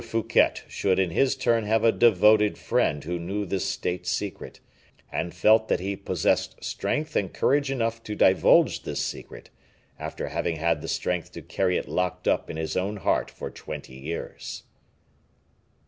Fouquet should in his turn have a devoted friend who knew this state secret, and felt that he possessed strength and courage enough to divulge this secret, after having had the strength to carry it locked up in his own heart for twenty years.